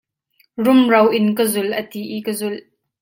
Rumroin ka zul a ti i ka zulh.